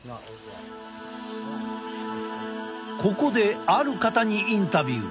ここである方にインタビュー。